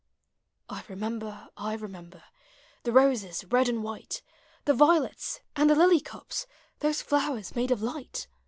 1 remember, I remember The roses, red and white, The violets, and the lily cups. — Those llowers made of light!